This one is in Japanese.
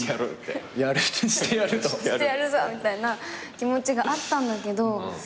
してやるぞみたいな気持ちがあったんだけど